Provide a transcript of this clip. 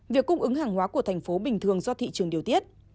việc cung ứng hàng hóa của thành phố bình thường do thị trường điều tiết